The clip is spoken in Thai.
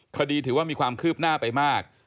คดีถือว่ามีความคืบหน้าไปมาก